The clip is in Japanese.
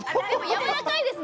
やわらかいです。